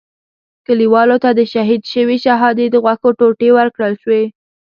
کلیوالو ته د شهید شوي شهادي د غوښو ټوټې ورکړل شوې.